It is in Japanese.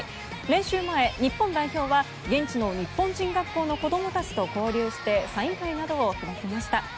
練習前、日本代表は現地の日本人学校の子供たちと交流してサイン会などを開きました。